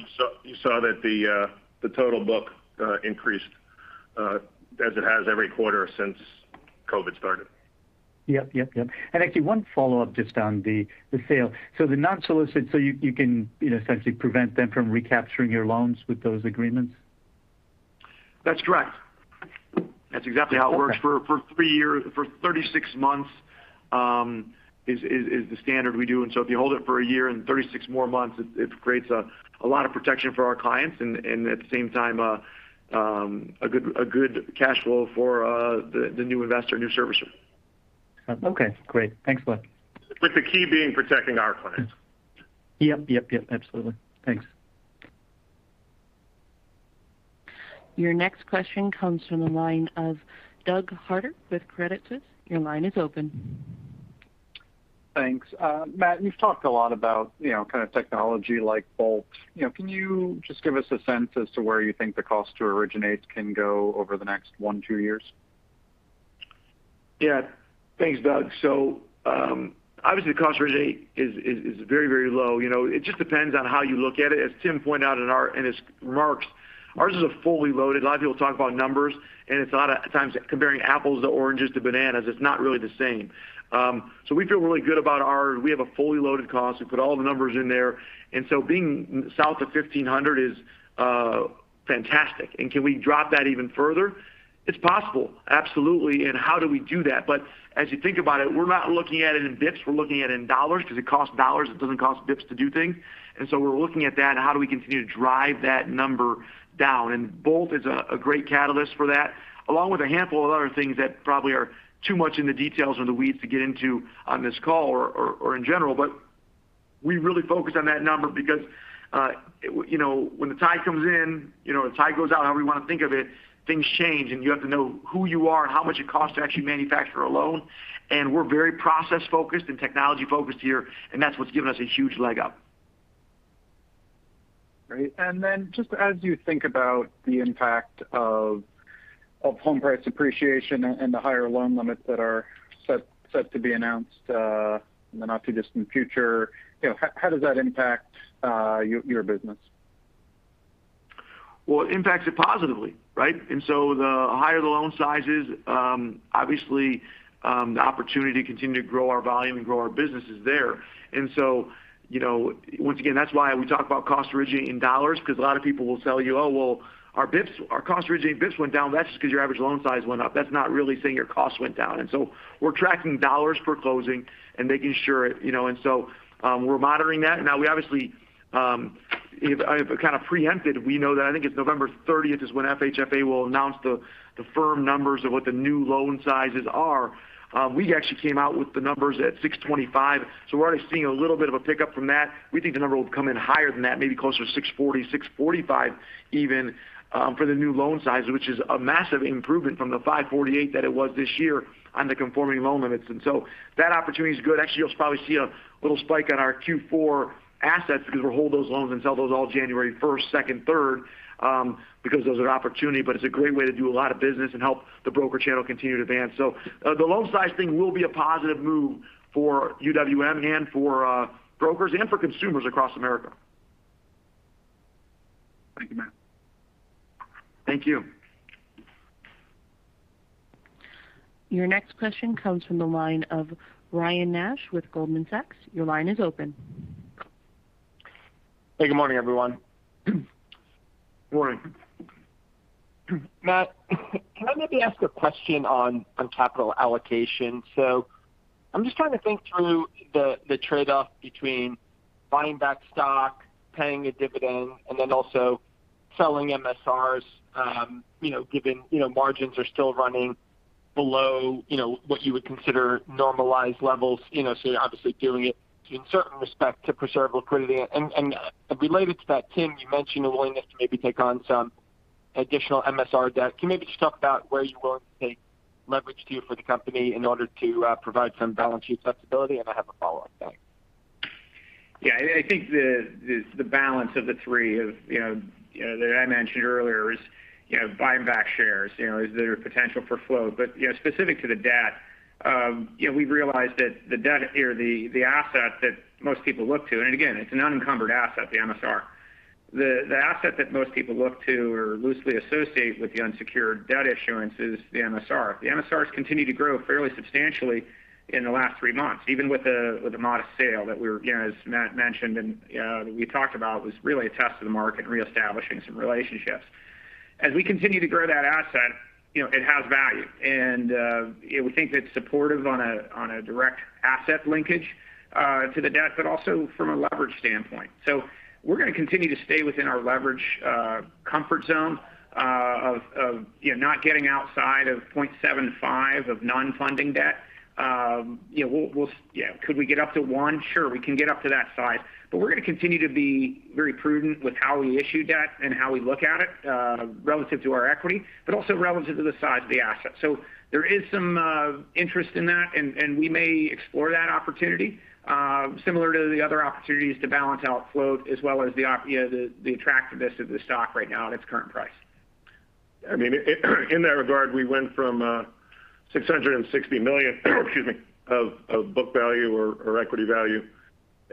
you saw that the total book increased as it has every quarter since COVID started. Yep. Actually one follow-up just on the sale. So the non-solicit, you can, you know, essentially prevent them from recapturing your loans with those agreements? That's correct. That's exactly how it works. For 36 months is the standard we do. If you hold it for a year and 36 more months, it creates a lot of protection for our clients and at the same time a good cash flow for the new investor, new servicer. Okay, great. Thanks a lot. With the key being protecting our clients. Yep, absolutely. Thanks. Your next question comes from the line of Doug Harter with Credit Suisse. Your line is open. Thanks. Matt, you've talked a lot about, you know, kind of technology like BOLT. You know, can you just give us a sense as to where you think the cost to originate can go over the next 1-2 years? Yeah. Thanks, Doug. Obviously, cost to originate is very low. You know, it just depends on how you look at it. As Tim pointed out, ours is a fully loaded. A lot of people talk about numbers, and it's a lot of times comparing apples to oranges to bananas. It's not really the same. We feel really good about our fully loaded cost. We put all the numbers in there. Being south of $1,500 is fantastic. Can we drop that even further? It's possible. Absolutely. How do we do that? As you think about it, we're not looking at it in BPS, we're looking at it in dollars because it costs dollars. It doesn't cost BPS to do things. We're looking at that and how do we continue to drive that number down. BOLT is a great catalyst for that, along with a handful of other things that probably are too much in the details or the weeds to get into on this call or in general. We really focus on that number because, you know, when the tide comes in, you know, the tide goes out, however you want to think of it, things change, and you have to know who you are and how much it costs to actually manufacture a loan. We're very process-focused and technology-focused here, and that's what's given us a huge leg up. Great. Just as you think about the impact of home price appreciation and the higher loan limits that are set to be announced in the not-too-distant future, you know, how does that impact your business? Well, it impacts it positively, right? The higher the loan sizes, obviously, the opportunity to continue to grow our volume and grow our business is there. You know, once again, that's why we talk about cost originating in dollars because a lot of people will tell you, "Oh, well, our BPS, our cost originating in BPS went down." That's just because your average loan size went up. That's not really saying your cost went down. We're tracking dollars per closing and making sure, you know. We're monitoring that. Now we obviously, if I kind of preempted, we know that I think it's November thirtieth is when FHFA will announce the firm numbers of what the new loan sizes are. We actually came out with the numbers at $625, so we're already seeing a little bit of a pickup from that. We think the number will come in higher than that, maybe closer to $640-$645 even, for the new loan size, which is a massive improvement from the $548 that it was this year on the conforming loan limits. That opportunity is good. Actually, you'll probably see a little spike on our Q4 assets because we'll hold those loans until those all January first, second, third, because those are opportunity. It's a great way to do a lot of business and help the broker channel continue to advance. The loan size thing will be a positive move for UWM and for brokers and for consumers across America. Thank you, Mat. Thank you. Your next question comes from the line of Ryan Nash with Goldman Sachs. Your line is open. Hey, good morning, everyone. Morning. Matt, can I maybe ask a question on capital allocation? I'm just trying to think through the trade-off between buying back stock, paying a dividend, and then also selling MSRs, you know, given, you know, margins are still running Below, you know, what you would consider normalized levels, you know, so you're obviously doing it in certain respect to preserve liquidity. Related to that, Tim, you mentioned a willingness to maybe take on some additional MSR debt. Can you maybe just talk about where you will take leverage to for the company in order to provide some balance sheet flexibility? I have a follow-up. Thanks. Yeah. I think the balance of the three, you know, that I mentioned earlier is, you know, buying back shares, you know, is there potential for flow. You know, specific to the debt, you know, we've realized that the debt or the asset that most people look to, and again, it's an unencumbered asset, the MSR. The asset that most people look to or loosely associate with the unsecured debt issuance is the MSR. The MSRs continue to grow fairly substantially in the last three months, even with the modest sale that we're, as Matt mentioned and we talked about was really a test of the market and reestablishing some relationships. As we continue to grow that asset, you know, it has value. We think it's supportive on a direct asset linkage to the debt, but also from a leverage standpoint. We're going to continue to stay within our leverage comfort zone of you know, not getting outside of 0.75 of non-funding debt. You know, we'll yeah, could we get up to 1? Sure, we can get up to that size. We're going to continue to be very prudent with how we issue debt and how we look at it relative to our equity, but also relative to the size of the asset. There is some interest in that, and we may explore that opportunity similar to the other opportunities to balance out float as well as you know, the attractiveness of the stock right now at its current price. I mean, in that regard, we went from $660 million, excuse me, of book value or equity value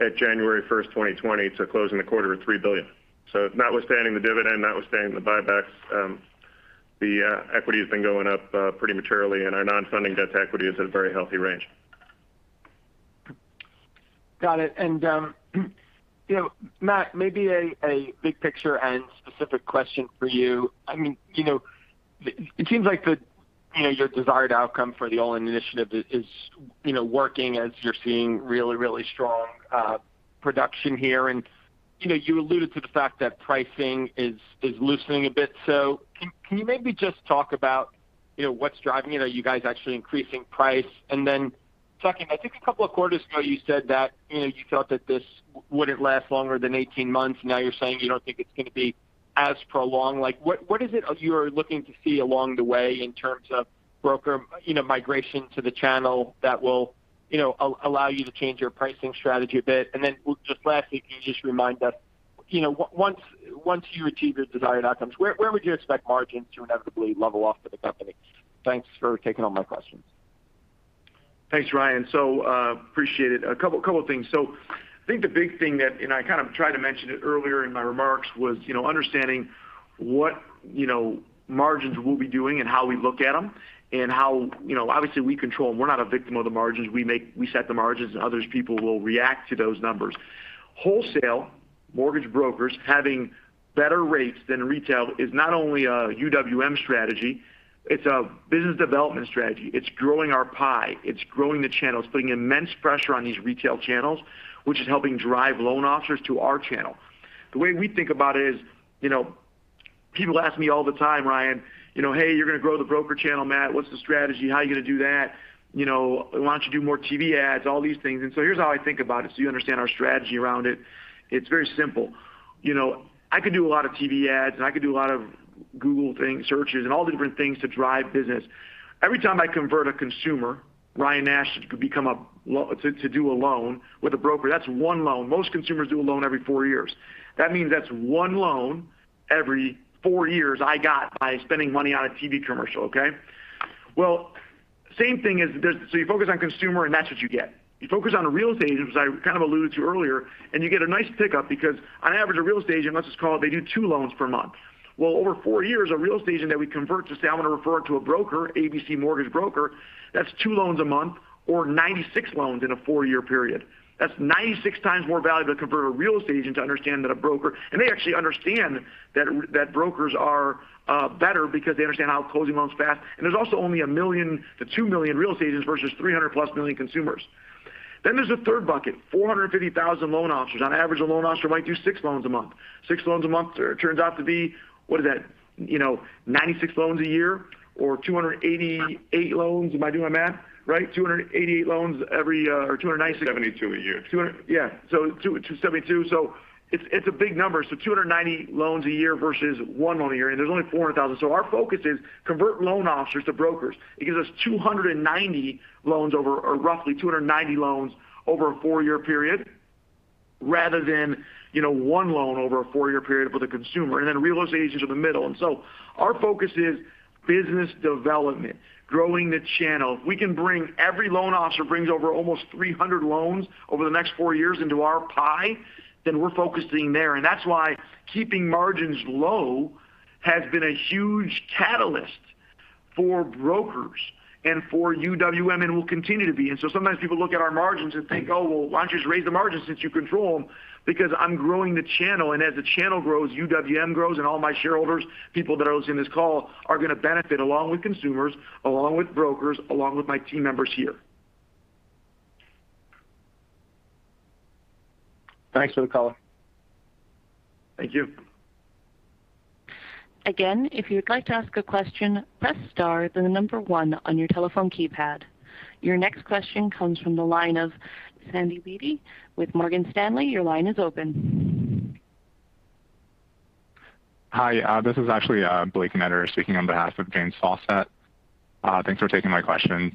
at January first, 2020 to closing the quarter at $3 billion. Notwithstanding the dividend, notwithstanding the buybacks, the equity has been going up pretty materially, and our non-funding debt to equity is at a very healthy range. Got it. You know, Mat, maybe a big picture and specific question for you. I mean, you know, it seems like the, you know, your desired outcome for the All In initiative is, you know, working as you're seeing really strong production here. You know, you alluded to the fact that pricing is loosening a bit. Can you maybe just talk about, you know, what's driving it? Are you guys actually increasing price? Then second, I think a couple of quarters ago, you said that, you know, you felt that this wouldn't last longer than 18 months. Now you're saying you don't think it's going to be as prolonged. Like, what is it you are looking to see along the way in terms of broker, you know, migration to the channel that will, you know, allow you to change your pricing strategy a bit? Then just lastly, can you just remind us, you know, once you achieve your desired outcomes, where would you expect margins to inevitably level off for the company? Thanks for taking all my questions. Thanks, Ryan. Appreciate it. A couple of things. I think the big thing and I kind of tried to mention it earlier in my remarks was, you know, understanding what, you know, margins we'll be doing and how we look at them and how, you know, obviously we control them. We're not a victim of the margins. We set the margins, and other people will react to those numbers. Wholesale mortgage brokers having better rates than retail is not only a UWM strategy, it's a business development strategy. It's growing our pie. It's growing the channels, putting immense pressure on these retail channels, which is helping drive loan officers to our channel. The way we think about it is, you know, people ask me all the time, Ryan, "You know, hey, you're going to grow the broker channel, Matt. What's the strategy? How are you going to do that? You know, why don't you do more TV ads?" All these things. Here's how I think about it, so you understand our strategy around it. It's very simple. You know, I could do a lot of TV ads, and I could do a lot of Google thing, searches, and all different things to drive business. Every time I convert a consumer, Ryan Nash could become to do a loan with a broker. That's one loan. Most consumers do a loan every four years. That means that's one loan every four years I got by spending money on a TV commercial, okay? Well, same thing is so you focus on consumer, and that's what you get. You focus on a real estate agent, which I kind of alluded to earlier, and you get a nice pickup because on average, a real estate agent, let's just call it they do 2 loans per month. Well, over 4 years, a real estate agent that we convert to say, "I want to refer to a broker, ABC Mortgage Broker," that's 2 loans a month or 96 loans in a 4-year period. That's 96x more value to convert a real estate agent to understand than a broker. They actually understand that brokers are better because they understand how to close loans fast. There's also only 1 million-2 million real estate agents versus 300+ million consumers. Then there's a third bucket, 450,000 loan officers. On average, a loan officer might do 6 loans a month. 6 loans a month turns out to be, what is that? You know, 96 loans a year or 288 loans. Am I doing math? Right. 288 loans every, or 296. 72 a year. 272. It is a big number. 290 loans a year versus one loan a year. There are only 400,000. Our focus is convert loan officers to brokers. It gives us 290 loans over, or roughly 290 loans over a four-year period rather than, you know, one loan over a four-year period with a consumer. Then real estate agents are the middle. Our focus is business development, growing the channel. If we can bring every loan officer brings over almost 300 loans over the next four years into our pie, then we're focusing there. That's why keeping margins low has been a huge catalyst for brokers and for UWM, and will continue to be. Sometimes people look at our margins and think, "Oh, well, why don't you just raise the margins since you control them?" Because I'm growing the channel. As the channel grows, UWM grows. All my shareholders, people that are listening to this call, are going to benefit along with consumers, along with brokers, along with my team members here. Thanks for the call. Thank you. Your next question comes from the line of James Faucette with Morgan Stanley. Your line is open. Hi, this is actually Blake Netter speaking on behalf of James Faucette. Thanks for taking my questions.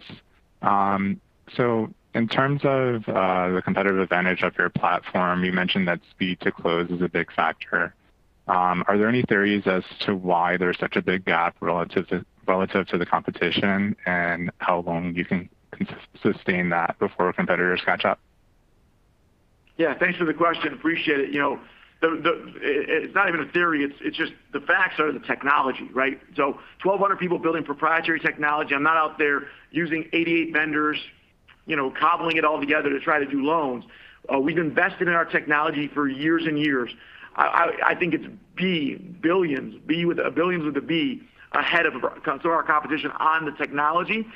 So in terms of the competitive advantage of your platform, you mentioned that speed to close is a big factor. Are there any theories as to why there's such a big gap relative to the competition, and how long you can sustain that before competitors catch up? Yeah, thanks for the question. Appreciate it. You know, it's not even a theory, it's just the facts are the technology, right? 1,200 people building proprietary technology. I'm not out there using 88 vendors, you know, cobbling it all together to try to do loans. We've invested in our technology for years and years. I think it's billions. Billions with a B ahead of some of our competition on the technology.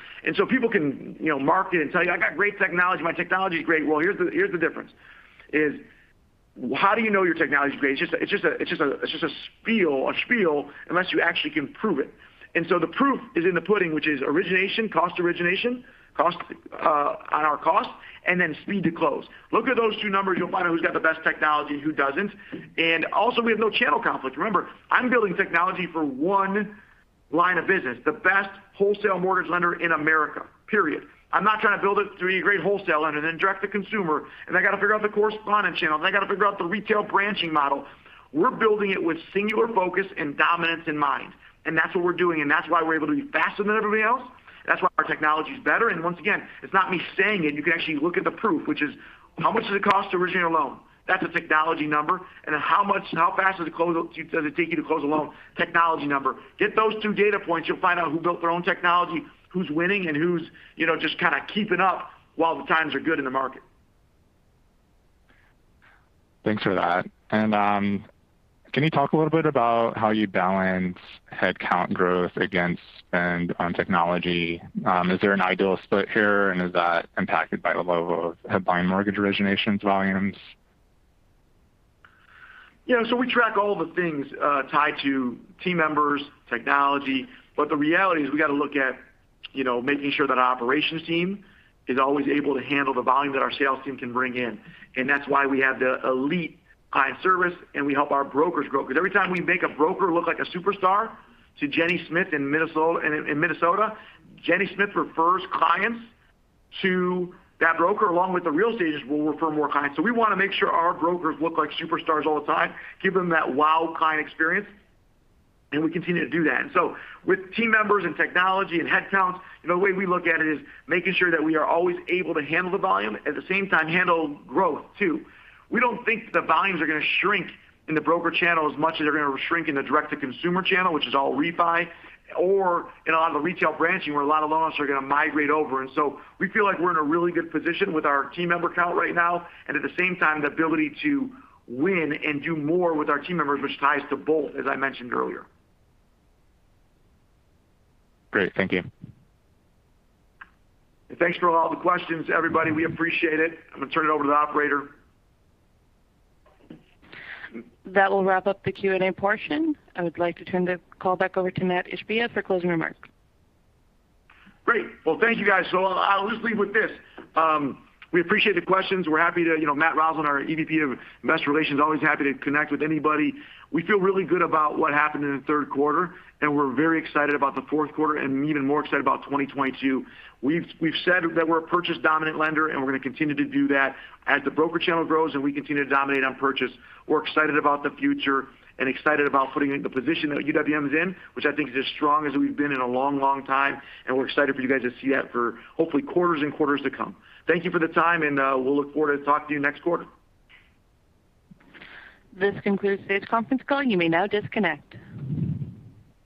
People can, you know, market and tell you, "I got great technology. My technology is great." Well, here's the difference, is how do you know your technology is great? It's just a spiel unless you actually can prove it. The proof is in the pudding, which is origination cost, and then speed to close. Look at those two numbers, you'll find out who's got the best technology and who doesn't. Also we have no channel conflict. Remember, I'm building technology for one line of business, the best wholesale mortgage lender in America, period. I'm not trying to build it to be a great wholesale lender, and then direct to consumer. I gotta figure out the correspondent channel, then I gotta figure out the retail branching model. We're building it with singular focus and dominance in mind. That's what we're doing, and that's why we're able to be faster than everybody else. That's why our technology is better. Once again, it's not me saying it. You can actually look at the proof, which is how much does it cost to originate a loan? That's a technology number. How much, and how fast does it close, does it take you to close a loan? Technology number. Get those two data points, you'll find out who built their own technology, who's winning, and who's, you know, just kind of keeping up while the times are good in the market. Thanks for that. Can you talk a little bit about how you balance headcount growth against spend on technology? Is there an ideal split here? Is that impacted by the level of headline mortgage originations volumes? Yeah. We track all the things tied to team members, technology. The reality is we gotta look at, you know, making sure that our operations team is always able to handle the volume that our sales team can bring in. That's why we have the elite client service, and we help our brokers grow. Because every time we make a broker look like a superstar to Jenny Smith in Minnesota, Jenny Smith refers clients to that broker along with the real estate agents will refer more clients. We wanna make sure our brokers look like superstars all the time, give them that wow client experience, and we continue to do that. With team members, and technology, and headcounts, you know, the way we look at it is making sure that we are always able to handle the volume, at the same time handle growth too. We don't think the volumes are gonna shrink in the broker channel as much as they're gonna shrink in the direct-to-consumer channel, which is all refi, you know, on the retail branching, where a lot of loans are gonna migrate over. We feel like we're in a really good position with our team member count right now, at the same time, the ability to win and do more with our team members, which ties to both, as I mentioned earlier. Great. Thank you. Thanks for all the questions, everybody. We appreciate it. I'm gonna turn it over to the operator. That will wrap up the Q&A portion. I would like to turn the call back over to Mat Ishbia for closing remarks. Great. Well, thank you, guys. I'll just leave with this. We appreciate the questions. We're happy to, you know, Matt Roslin, our EVP of Investor Relations, always happy to connect with anybody. We feel really good about what happened in the third quarter, and we're very excited about the fourth quarter, and even more excited about 2022. We've said that we're a purchase dominant lender, and we're gonna continue to do that. As the broker channel grows and we continue to dominate on purchase, we're excited about the future and excited about putting it in the position that UWM is in, which I think is as strong as we've been in a long, long time. We're excited for you guys to see that for hopefully quarters and quarters to come. Thank you for the time, and we'll look forward to talk to you next quarter. This concludes today's conference call. You may now disconnect.